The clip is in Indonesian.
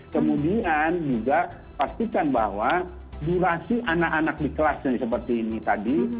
kemudian juga pastikan bahwa durasi anak anak di kelas yang seperti ini tadi